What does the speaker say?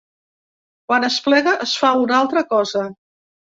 Quan es plega es fa una altra cosa.